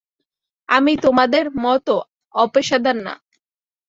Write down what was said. আমি তোমাদের মতো অপেশাদার না।